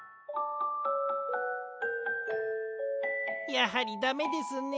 やはりだめですね。